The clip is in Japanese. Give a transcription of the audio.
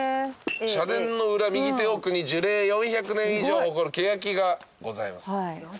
「社殿の裏右手奥に樹齢４００年以上を誇るケヤキがございます」